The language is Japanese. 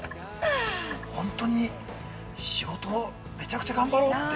◆ほんとに、仕事、めちゃくちゃ頑張ろうって。